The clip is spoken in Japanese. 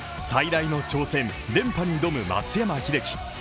最大の挑戦、連覇に挑む松山英樹。